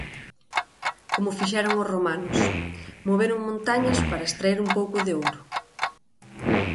Como fixeron os romanos: moveron montañas para extraer un pouco de ouro.